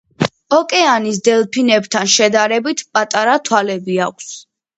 ოკეანის დელფინებთან შედარებით პატარა თვალები აქვს.